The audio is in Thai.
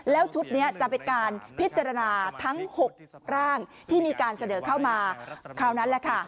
แล้วชุดนี้จะเป็นการพิจารณาทั้ง๖ร่างที่มีการเสนอเข้ามาคราวนั้นแหละค่ะ